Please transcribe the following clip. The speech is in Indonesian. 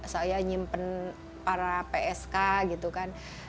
saya nyimpen para psk gitu kan